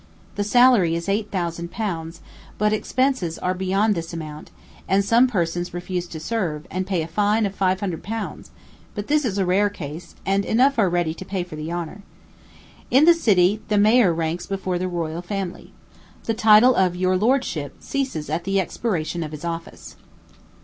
The salary is eight thousand pounds; but the expenses are beyond this amount, and some persons refuse to serve, and pay a fine of five hundred pounds; but this is a rare case, and enough are ready to pay for the honor. In the city the mayor ranks before the royal family. The title of "your lordship" ceases at the expiration of his office.